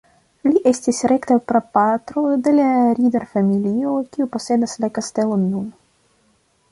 Li estis rekta prapatro de la Rieder-familio kiu posedas la kastelon nun.